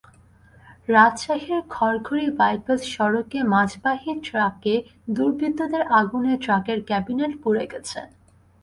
রাজশাহীর খড়খড়ি বাইপাস সড়কে মাছবাহী ট্রাকে দুর্বৃত্তদের আগুনে ট্রাকের ক্যাবিনেট পুড়ে গেছে।